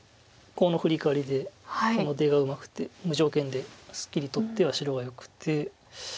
コウのフリカワリでこの出がうまくて無条件ですっきり取っては白がよくて。